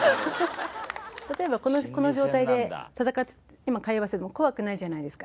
例えばこの状態で今会話してても怖くないじゃないですか。